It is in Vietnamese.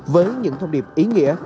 với những thông điệp ý nghĩa